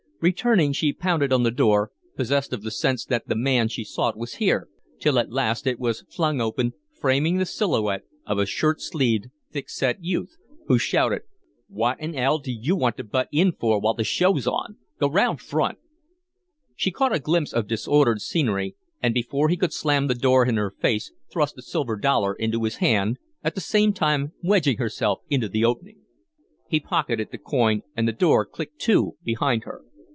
Returning, she pounded on the door, possessed of the sense that the man she sought was here, till at last it was flung open, framing the silhouette of a shirt sleeved, thick set youth, who shouted: "What 'n 'ell do you want to butt in for while the show's on? Go round front." She caught a glimpse of disordered scenery, and before he could slam the door in her face thrust a silver dollar into his hand, at the same time wedging herself into the opening. He pocketed the coin and the door clicked to behind her.